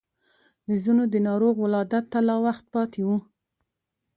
د ځينو د ناروغ ولادت ته لا وخت پاتې و.